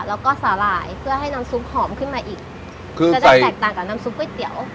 แล้วก็สาหร่ายเพื่อให้น้ำซุปหอมขึ้นมาอีกจะได้แตกต่างกับน้ำซุปก๋วยเตี๋ยว